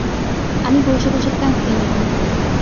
আমি বসে বসে কাঁদতে লাগলুম।